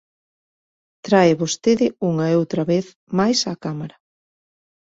Trae vostede unha e outra vez máis á Cámara.